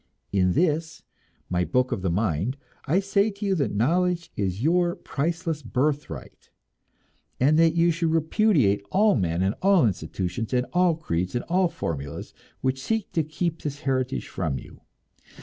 In this, my Book of the Mind, I say to you that knowledge is your priceless birthright, and that you should repudiate all men and all institutions and all creeds and all formulas which seek to keep this heritage from you.